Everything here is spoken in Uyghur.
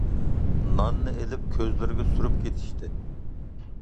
ناننى ئېلىپ كۆزلىرىگە سۈرۈپ كېتىشتى.